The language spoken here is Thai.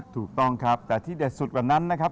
ถูกต้องครับแต่ที่เด็ดสุดกว่านั้นนะครับ